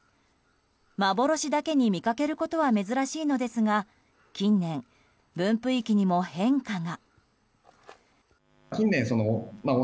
幻だけに見かけることは珍しいのですが近年、分布域にも変化が。